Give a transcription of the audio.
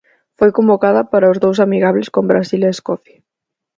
Foi convocada para os dous amigables con Brasil e Escocia.